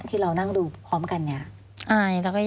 มันจอดอย่างง่ายอย่างง่ายอย่างง่ายอย่างง่าย